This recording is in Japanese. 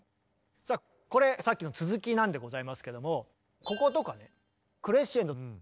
さあこれさっきの続きなんでございますけどもこことかねクレッシェンド。